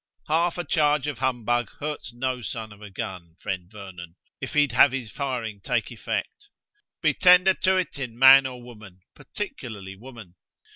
Half a charge of humbug hurts no son of a gun, friend Vernon, if he'd have his firing take effect. Be tender to't in man or woman, particularly woman.